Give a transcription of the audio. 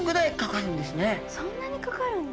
そんなにかかるんだ。